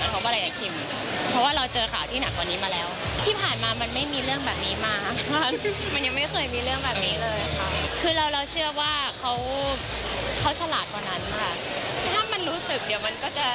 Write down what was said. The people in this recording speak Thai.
คือเราเชื่อว่าเขาเขาฉลาดกว่านั้นค่ะ